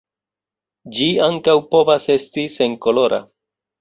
Ĝi ankaŭ povas esti senkolora.